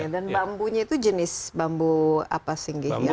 dan bambunya itu jenis bambu apa sih